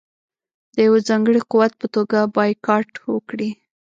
د یوه ځانګړي قوت په توګه بایکاټ وکړي.